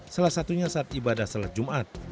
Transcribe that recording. salah satunya saat ibadah sholat jumat